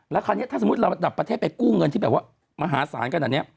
แล้วคราวนี้ถ้าสมมุติเราระดับประเทศไปกู้เงินที่แบบว่ามหาศาลขนาดนี้